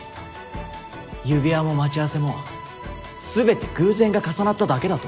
指輪も待ち合わせも全て偶然が重なっただけだと。